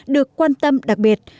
được quan tâm đặc biệt